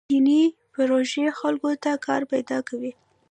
چیني پروژې خلکو ته کار پیدا کوي.